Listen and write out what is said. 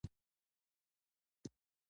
صندوق هیڅ کومې خواته حرکت نه شي کولی.